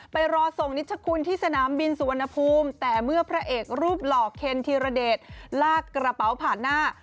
ไปรอส่งนิชคุณที่สนามบินสุวรรณภูมิแต่เมื่อพระเอกรูปหล่อเคนธีรเดชลากกระเป๋าผ่านหน้า